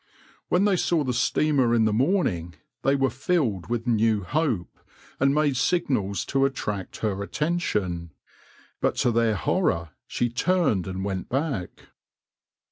When they saw the steamer in the morning they were filled with new hope, and made signals to attract her attention, but to their horror she turned and went back.